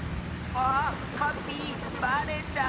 あっカピイばれちゃう！